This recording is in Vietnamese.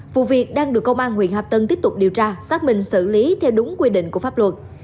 vụ việc đang được công an huyện hạp tân tiếp tục điều tra xác minh xử lý theo đúng quy định của pháp luật